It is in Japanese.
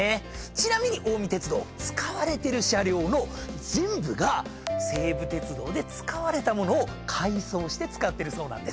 ちなみに近江鉄道使われてる車両の全部が西武鉄道で使われた物を改装して使ってるそうなんです。